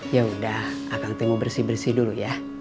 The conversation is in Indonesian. yaudah akang tengok bersih bersih dulu ya